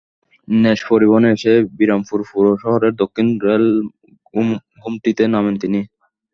নৈশ পরিবহনে এসে বিরামপুর পৌর শহরের দক্ষিণ রেল গুমটিতে নামেন তিনি।